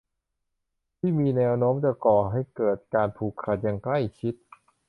ที่มีแนวโน้มจะก่อให้เกิดการผูกขาดอย่างใกล้ชิด